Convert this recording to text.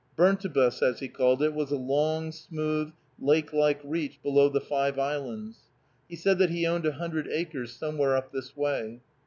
"Burntibus," as he called it, was a long, smooth, lake like reach below the Five Islands. He said that he owned a hundred acres somewhere up this way.